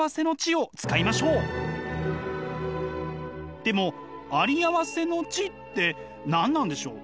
でもあり合わせの知って何なんでしょう？